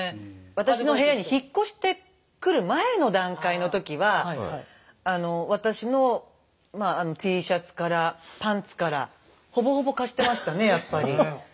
私の部屋に引っ越してくる前の段階の時は私のＴシャツからパンツからほぼほぼ貸してましたねやっぱり。